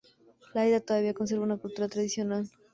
La isla todavía conserva una cultura tradicional.